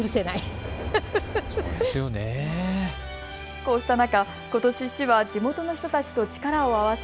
こうした中、ことし市は地元の人たちと力を合わせ